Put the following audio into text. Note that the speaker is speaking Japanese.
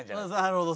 なるほど。